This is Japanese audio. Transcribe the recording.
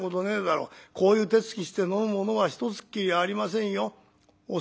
こういう手つきして飲むものは一つっきりありませんよ。